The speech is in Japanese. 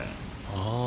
ああ。